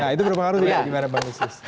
itu berapa harun ya gimana bansos